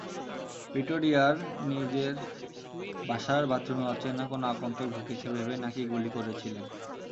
প্রিটোরিয়ার নিজের বাসার বাথরুমে অচেনা কোনো আগন্তুক ঢুকেছে ভেবেই নাকি গুলি করেছিলেন।